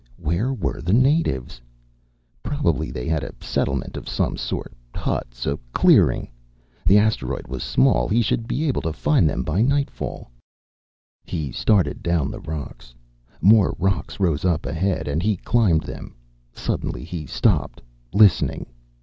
Where were the natives? Probably they had a settlement of some sort, huts, a clearing. The asteroid was small; he should be able to find them by nightfall. He started down the rocks. More rocks rose up ahead and he climbed them. Suddenly he stopped, listening.